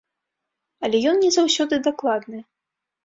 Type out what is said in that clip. Але ён не заўсёды дакладны.